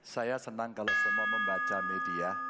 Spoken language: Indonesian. saya senang kalau semua membaca media